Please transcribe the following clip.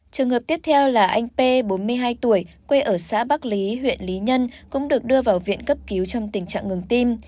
trường hợp tiếp theo là anh p bốn mươi hai tuổi quê ở xã bắc lý huyện lý nhân cũng được đưa vào viện cấp cứu trong tình trạng ngừng tim